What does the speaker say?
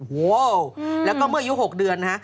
โอ้โหแล้วก็เมื่ออายุ๖เดือนนะฮะ